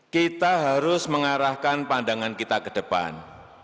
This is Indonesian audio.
kita harus mengarahkan pandangan kita ke depan